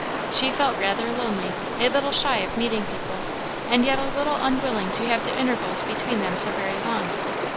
She felt rather lonely; a little shy of meeting people, and yet a little unwilling to have the intervals between them so very long.